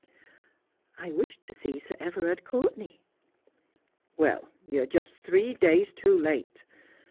I wished to see Sir Everard Courtenay.' 'Well, you're just three days too late.